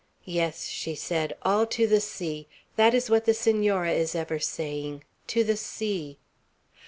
"Yes," she said, "all to the sea! That is what the Senora is ever saying: 'To the sea!'